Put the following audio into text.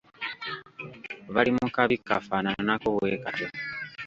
Bali mu kabi kafaanaanako bwe katyo.